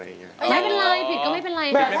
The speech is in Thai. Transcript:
ไม่เป็นไรผิดก็ไม่เป็นไรค่ะ